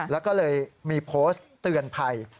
แล้วก็เลยมีโพสต์เตือนภัย